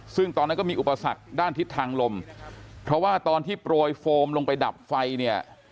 ซึ่งตอนนั้นก็มีอุปสรรคด้านทิศทางลมเพราะว่าตอนที่โปรยโฟมลงไปดับไฟเนี่ย